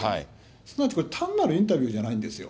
そうなってくると単なるインタビューじゃないんですよ。